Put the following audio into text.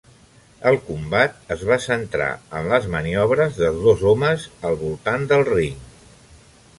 El combat es va centrar en les maniobres dels dos homes al voltant del ring.